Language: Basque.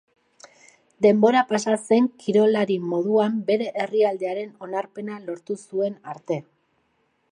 Denbora pasa zen kirolari moduan bere herrialdearen onarpena lortu zuen arte.